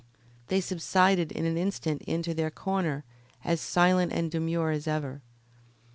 They subsided in an instant into their corner as silent and demure as ever.